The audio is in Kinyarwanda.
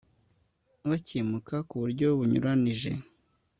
bakimika ku buryo bunyuranije